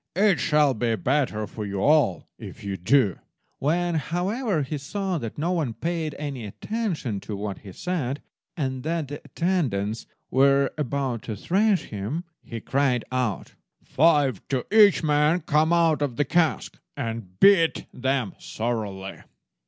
It shall be better for you all if you do!" When, however, he saw that no one paid any attention to what he said, and that the attendants were about to thrash him, he cried out— "Five to each man come out of the cask, and beat them thoroughly!"